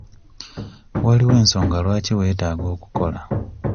Waliwo ensonga lwaki weetaaga okukola.